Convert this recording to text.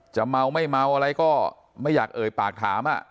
จะเง้อไม่เง้ออะไรก็ไม่อยากเอ่ยปากถาม